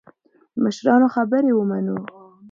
د مشرانو خبرې ومنو.